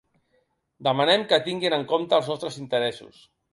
Demanem que tinguin en compte els nostres interessos.